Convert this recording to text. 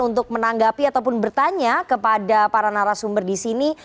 untuk menanggapi ataupun bertanya kepada para narasumber disini